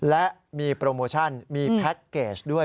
และมีโปรโมชั่นมีแพ็คเกจด้วย